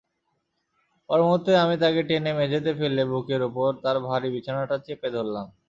পরমুহুর্তেই আমি তাকে টেনে মেঝেতে ফেলে বুকের উপর তার ভারি বিছানাটা চেপে ধরলাম।